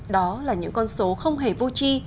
đó là những con số không hề vô chi